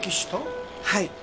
はい。